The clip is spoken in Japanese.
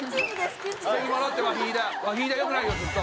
ワヒヒダ良くないよずっと。